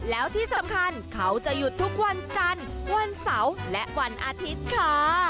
แล้วที่สำคัญเขาจะหยุดทุกวันจันทร์วันเสาร์และวันอาทิตย์ค่ะ